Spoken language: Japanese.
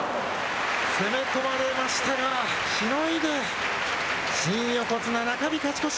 攻め込まれましたが、しのいで新横綱、中日勝ち越し。